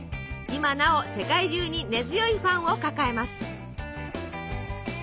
今なお世界中に根強いファンを抱えます。